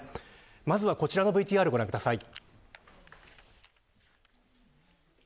まずはこちらのＶＴＲをご覧ください。